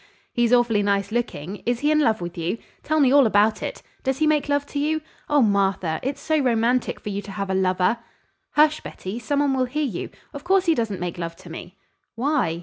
He's awfully nice looking. Is he in love with you? Tell me all about it. Does he make love to you? Oh, Martha! It's so romantic for you to have a lover!" "Hush, Betty, some one will hear you. Of course he doesn't make love to me!" "Why?"